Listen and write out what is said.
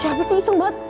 eh siapa sih iseng banget